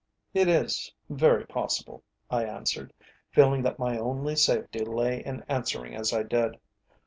"It is very possible," I answered, feeling that my only safety lay in answering as I did.